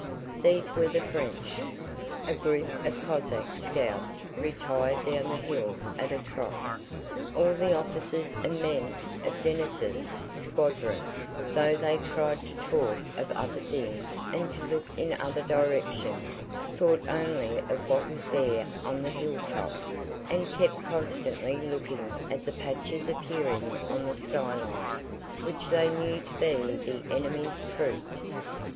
These were the French. A group of Cossack scouts retired down the hill at a trot. All the officers and men of Denísov's squadron, though they tried to talk of other things and to look in other directions, thought only of what was there on the hilltop, and kept constantly looking at the patches appearing on the skyline, which they knew to be the enemy's troops.